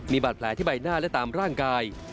มีบาดแผลที่ใบหน้าและตามร่างกาย